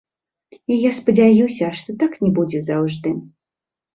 І я спадзяюся, што так не будзе заўжды.